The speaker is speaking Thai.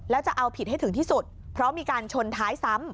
แล้วจะเอาผิดให้ถึงที่สุดเพราะมีการชนท้ายซ้ำ